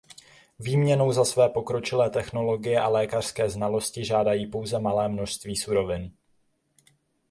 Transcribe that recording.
Výměnou za své pokročilé technologie a lékařské znalosti žádají pouze malé množství surovin.